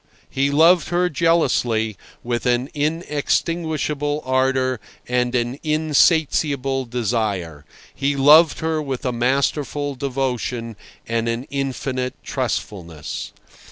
He loved her jealously, with an inextinguishable ardour and an insatiable desire—he loved her with a masterful devotion and an infinite trustfulness.